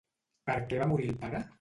Per què va morir el pare?